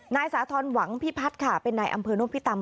นายสาธรณ์หวังพิพัฒน์ค่ะเป็นนายอำเภอนพิตำ